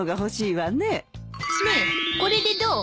ねえこれでどう？